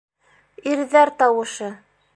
Ирҙәр тауышы.